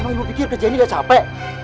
emang ibu pikir kerjaan ini gak capek